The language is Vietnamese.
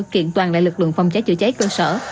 kiện toàn lại lực lượng phòng cháy chữa cháy cơ sở